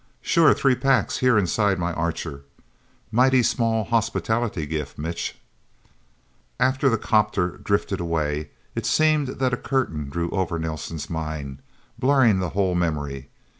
"Sure. Three packs here inside my Archer. Mighty small hospitality gift, Mitch..." After the 'copter drifted away, it seemed that a curtain drew over Nelsen's mind, blurring the whole memory.